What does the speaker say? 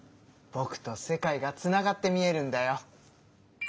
「ぼく」と「世界」がつながって見えるんだよ。